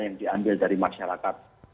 yang diambil dari masyarakat